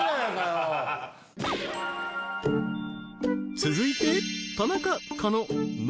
［続いて］